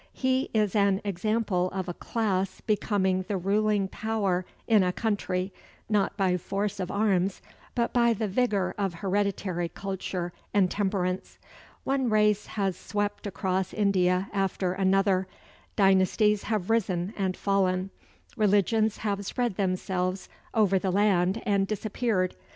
He is an example of a class becoming the ruling power in a country, not by force of arms, but by the vigor of hereditary culture and temperance. One race has swept across India after another, dynasties have risen and fallen, religions have spread themselves over the land and disappeared.